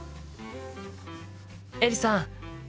エリさん。